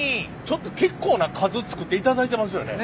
ちょっと結構な数作っていただいてますよね？